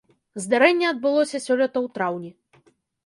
Здарэнне адбылося сёлета ў траўні.